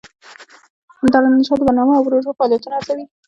دارالانشا د برنامو او پروژو فعالیتونه ارزوي.